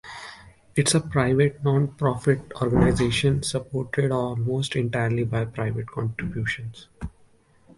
It is a private, non-profit organization, supported almost entirely by private contributions.